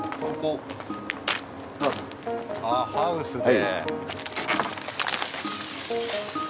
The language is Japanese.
あっハウスで。